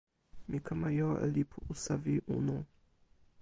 mi kama jo e lipu usawi unu.